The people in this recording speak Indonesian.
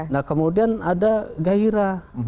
nah kemudian ada gairah